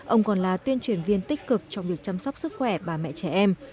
ông còn là tuyên truyền viên tích cực trong việc chăm sóc sức khỏe bà mẹ trẻ em